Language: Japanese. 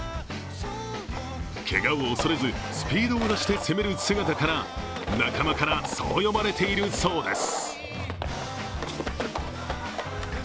けがを恐れず、スピードを出して攻める姿から仲間からそう呼ばれているそうです。